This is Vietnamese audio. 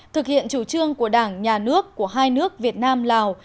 thực hiện chủ trương của đảng nhà nước của hai nước việt nam lào